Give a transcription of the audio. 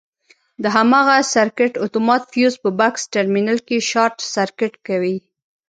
د هماغه سرکټ اتومات فیوز په بکس ټرمینل کې شارټ سرکټ کوي.